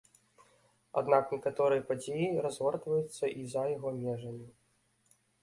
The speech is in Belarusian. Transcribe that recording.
Аднак некаторыя падзеі разгортваюцца і за яго межамі.